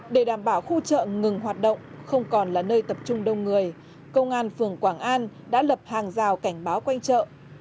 để đảm bảo khu chợ ngừng hoạt động không còn là nơi tập trung đông người công an phường quảng an đã lập hàng rào cảnh báo quanh chợ